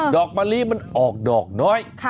อกมะลิมันออกดอกน้อย